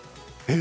え？